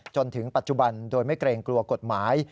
จนถึงปัจจุบันโดยไม่เกรงกลัวกฎหมาย